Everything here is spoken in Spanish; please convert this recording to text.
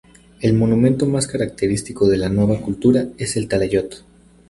El monumento más característico de la nueva cultura es el talayot.